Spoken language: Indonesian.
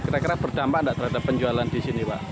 kira kira berdampak tidak terhadap penjualan di sini pak